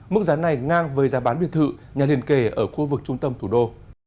mức giá này ngang với giá bán biệt thự nhà liền kề ở khu vực trung tâm thủ đô